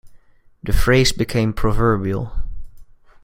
The phrase became proverbial.